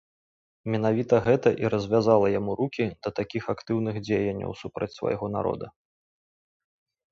Менавіта гэта і развязала яму рукі да такіх актыўных дзеянняў супраць свайго народа.